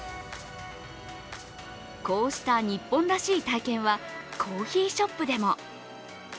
こうした日本らしい体験はコーヒーショップでも。